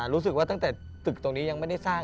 รู้สึกว่าตั้งแต่ตึกตรงนี้ยังไม่ได้สร้าง